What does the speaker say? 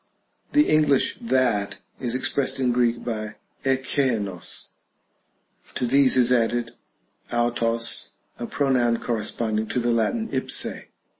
11 The English ' that ' is expressed in Greek by i^fsi vog ; to these is added avrog, a pronoun corresponding to the Latin ipse.